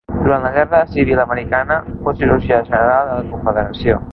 Durant la Guerra civil americana, fou Cirurgià General de la Confederació.